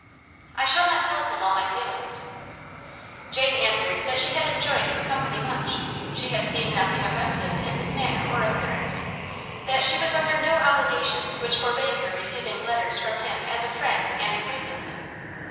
"I shall not tell him all my feelings." Jane answered that she had enjoyed his company much; she had seen nothing offensive in his manner or appearance; that she was under no obligations which forbade her receiving letters from him as a friend and acquaintance.